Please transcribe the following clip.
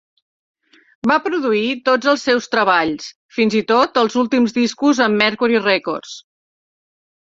Va produir tots els seus treballs, fins i tot els últims discos amb Mercury Records.